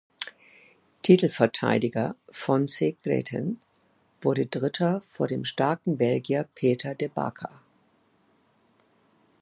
Titelverteidiger Fonsy Grethen wurde Dritter vor dem starken Belgier Peter de Backer.